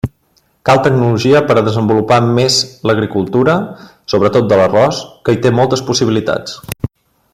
Cal tecnologia per a desenvolupar més l'agricultura, sobretot de l'arròs, que hi té moltes possibilitats.